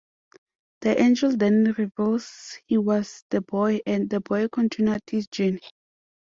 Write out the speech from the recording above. The angel then reveals he was the boy, and the boy continued his journey.